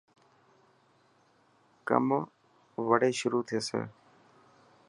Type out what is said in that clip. ڪم وڙي شروح ٿيي.